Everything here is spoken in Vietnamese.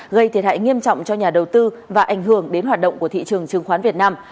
gây thiệt hại nghiêm trọng cho nhà đầu tư và ảnh hưởng đến hoạt động của thị trường chứng khoán việt nam